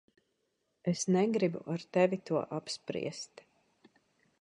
Es negribu ar tevi to apspriest.